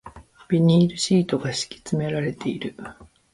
ビニールシートが敷き詰められている